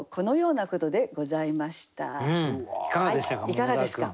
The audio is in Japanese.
いかがでしたか？